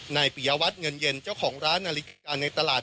ปิยวัตรเงินเย็นเจ้าของร้านนาฬิกาในตลาด